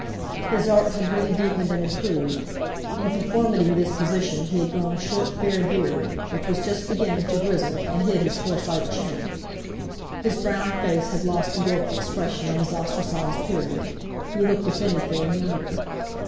His art had really deepened and improved. In conformity with his position he had grown a short fair beard, which was just beginning to grizzle, and hid his Forsyte chin; his brown face had lost the warped expression of his ostracised period—he looked, if anything, younger.